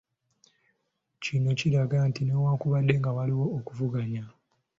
Kino kiraga nti newankubadde nga waliwo okuvuganya.